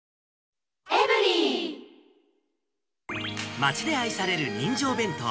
町で愛される人情弁当。